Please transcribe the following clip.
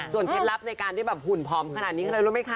เคล็ดลับในการที่แบบหุ่นผอมขนาดนี้คืออะไรรู้ไหมคะ